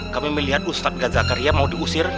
kami melihat ustadz zakat zakaria mau diusir